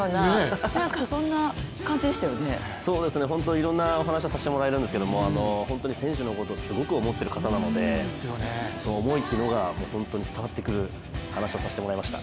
いろんなお話させてもらったんですけど本当に、選手のことをすごく思ってる方なのでその思いというのが伝わってくる話をさせてもらいました。